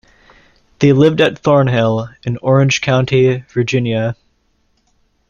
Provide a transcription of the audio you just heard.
They lived at "Thornhill" in Orange County, Virginia.